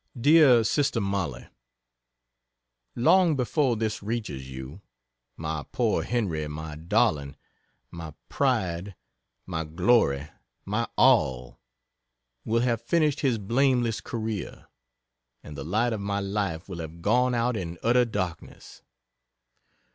DEAR SISTER MOLLIE, Long before this reaches you, my poor Henry my darling, my pride, my glory, my all, will have finished his blameless career, and the light of my life will have gone out in utter darkness.